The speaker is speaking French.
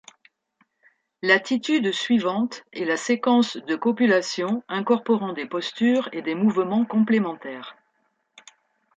L’attitude suivante est la séquence de copulation incorporant des postures et des mouvements complémentaires.